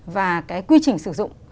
và cái quy trình sử dụng